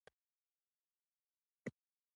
يوه ټوټه ځمکه دې مؤسسې ته ځانګړې شوه